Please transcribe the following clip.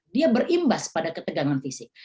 dia berimbas pada ketegangan fisik